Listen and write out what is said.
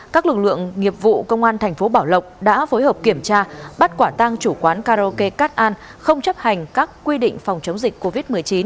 các lực lượng nghiệp vụ công an thành phố bảo lộc đã phối hợp kiểm tra bắt quả tang chủ quán karaoke cát an không chấp hành các quy định phòng chống dịch covid một mươi chín